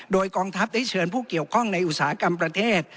โดยกองทัพได้เชิญผู้เกี่ยวข้องในอุตสาหกรรมประเทศ